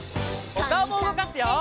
おかおもうごかすよ！